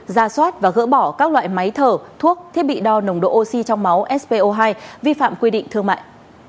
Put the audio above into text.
ra soát và gỡ bỏ các loại máy thở thuốc thiết bị đo nồng độ oxy trong máu spo hai vi phạm quy định thương mại